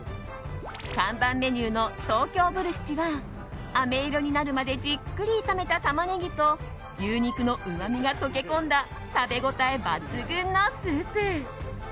看板メニューの東京ボルシチはあめ色になるまでじっくり炒めたタマネギと牛肉のうまみが溶け込んだ食べ応え抜群のスープ。